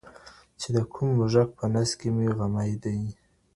چي د کم موږک په نس کي مي غمی دی